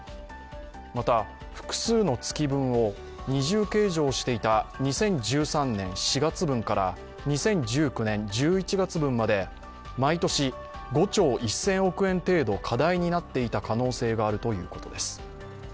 また、複数の月分を二重計上していた２０１３年４月分から２０１９年１１月分まで毎年５兆１０００億円程度過大になっていた可能性があるということです。